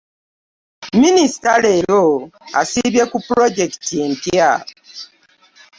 Minister leero asiibye ku pulojekiti empya.